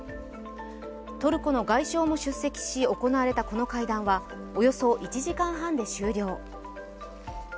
トルコの外相も出席し、行われたこの会談は、およそ１時間半で終了。